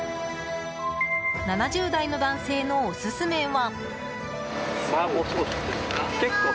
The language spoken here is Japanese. ７０代の男性のオススメは。